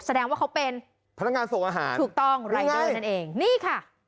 แสดงว่าเขาเป็นพนักงานส่งอาหารถูกต้องรายได้นั่นเองนี่ค่ะ